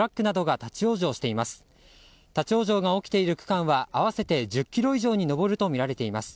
立ち往生が起きている区間は合わせて１０ｋｍ以上に上るとみられています。